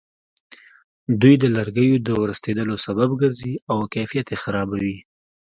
دوی د لرګیو د ورستېدلو سبب ګرځي او کیفیت یې خرابوي.